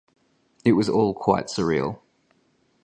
It was all quite surreal.